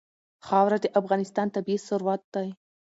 خاوره د افغانستان طبعي ثروت دی.